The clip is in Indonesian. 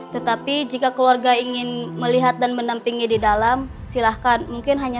tetapi jika keluarga ingin melihat dan menampingi di dalam silahkan mungkin hanya